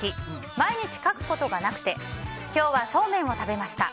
毎日書くことがなくて今日はそうめんを食べました。